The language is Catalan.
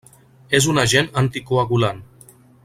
És un agent anticoagulant.